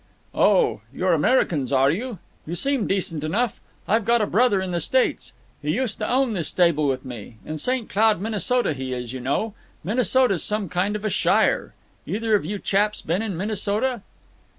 "Oh! You're Americans, are you? You seem decent enough. I've got a brother in the States. He used to own this stable with me. In St. Cloud, Minnesota, he is, you know. Minnesota's some kind of a shire. Either of you chaps been in Minnesota?"